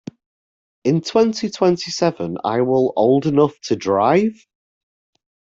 In twenty-twenty-seven I will old enough to drive.